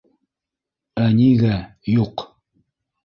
Ә нигә... юҡ?